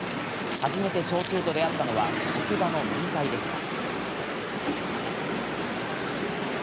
初めて焼酎と出会ったのは職場の飲み会でした。